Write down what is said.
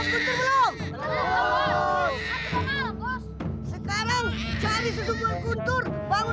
hei kalian sudah mencari susu buat kuntur belum